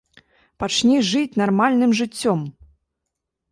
Пачні жыць нармальным жыццём!